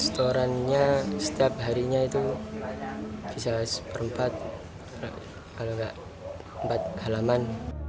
setorannya setiap harinya itu bisa seperempat kalau enggak empat halaman